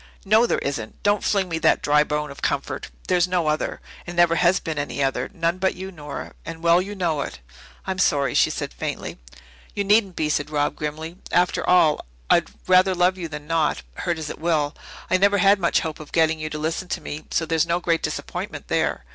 "No, there isn't. Don't fling me that dry bone of comfort. There's no other, and never has been any other none but you, Nora, and well you know it." "I'm sorry," she said faintly. "You needn't be," said Rob grimly. "After all, I'd rather love you than not, hurt as it will. I never had much hope of getting you to listen to me, so there's no great disappointment there.